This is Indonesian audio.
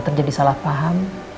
terjadi salah paham